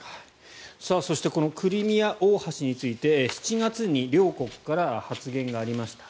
そしてこのクリミア大橋について７月に両国から発言がありました。